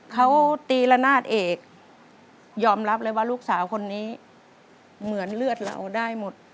เขาตีละนาดเอกยอมรับเลยว่าลูกสาวคนนี้เหมือนเลือดเราได้หมด